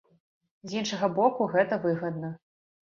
З іншага боку, гэта выгадна.